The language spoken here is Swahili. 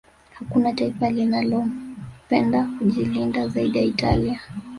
Hakuna taifa linalopenda kujilinda zaidi ya Italia